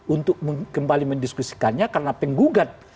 untuk kembali mendiskusikannya karena penggugat